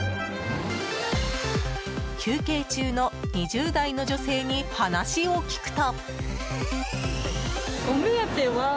休憩中の２０代の女性に話を聞くと。